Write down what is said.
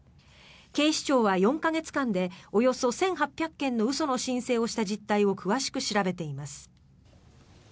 警視庁は４か月間でおよそ１８００件の嘘の申請をした実態を詳しく調べています。